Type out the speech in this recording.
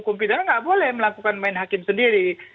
ketentuan hukum tidak boleh melakukan main hakim sendiri